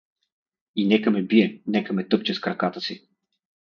И нека ме бие, нека ме тъпче с краката си.